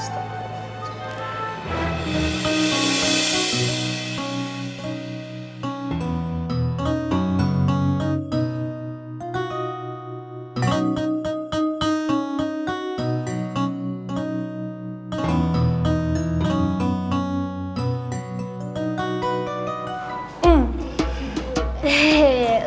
assalamualaikum warahmatullahi wabarakatuh